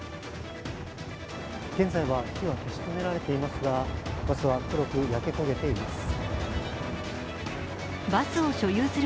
現在は火は消し止められていますがバスは黒く焼け焦げています。